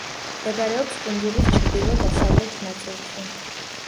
მდებარეობს კუნძულის ჩრდილო-დასავლეთ ნაწილში.